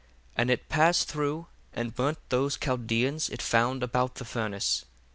25 And it passed through, and burned those Chaldeans it found about the furnace.